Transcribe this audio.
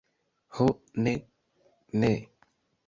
Ho ne, ne.